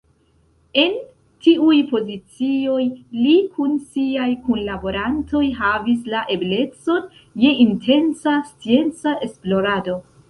En tiuj pozicioj li kun siaj kunlaborantoj havis la eblecon je intensa scienca esplorado.